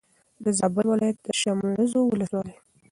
د زابل ولایت د شملزو ولسوالي